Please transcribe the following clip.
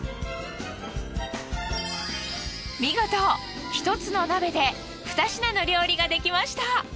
見事ひとつの鍋で２品の料理ができました。